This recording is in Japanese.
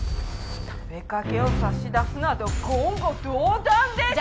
食べかけを差し出すなど言語道断です！！